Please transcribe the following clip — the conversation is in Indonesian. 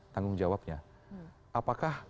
tanggung jawabnya apakah